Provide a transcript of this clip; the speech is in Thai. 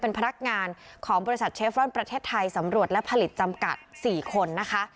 เป็นพนักงานของบริษัทเชฟรอนประเทศไทยสำรวจและผลิตจำกัด๔คนนะคะ